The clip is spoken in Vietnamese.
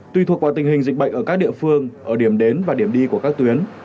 tùy thuộc vào tình hình dịch bệnh ở các địa phương ở điểm đến và điểm đi của các tuyến